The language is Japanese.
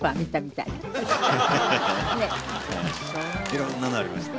色んなのありました。